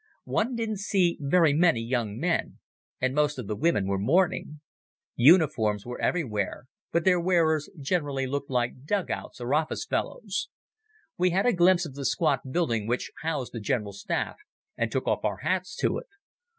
One didn't see very many young men, and most of the women wore mourning. Uniforms were everywhere, but their wearers generally looked like dug outs or office fellows. We had a glimpse of the squat building which housed the General Staff and took off our hats to it.